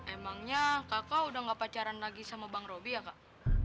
emangnya kakak udah gak pacaran lagi sama bang robby ya kak